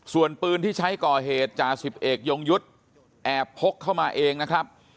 ส่วนปืนที่ใช้ก่อเหตุจ่าสิบเอกยงยุทธ์แอบพกเข้ามาเองนะครับ